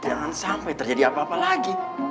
jangan sampai terjadi apa apa lagi